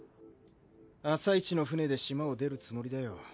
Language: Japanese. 朝イチの船で島を出るつもりだよ。